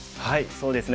そうですね。